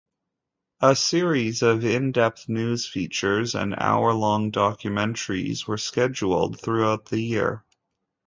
A series of in-depth news features and hour-long documentaries were scheduled throughout the year.